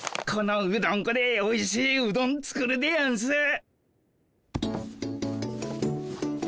このうどん粉でおいしいうどん作るでやんす。